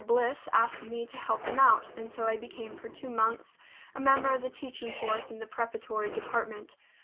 Bliss asked me to help them out and so I became for two months a member of the teaching force in the preparatory department.